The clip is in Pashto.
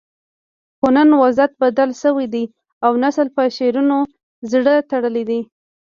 خو نن وضعیت بدل شوی دی او نسل په شعارونو زړه تړلی دی